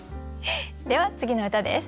では次の歌です。